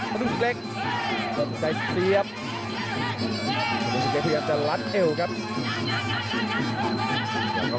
กระโดยสิ้งเล็กนี่ออกกันขาสันเหมือนกันครับ